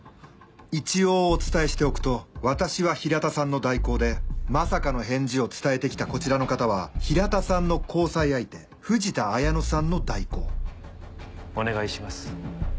一応お伝えしておくと私は平田さんの代行でまさかの返事を伝えて来たこちらの方は平田さんの交際相手藤田綾乃さんの代行お願いします。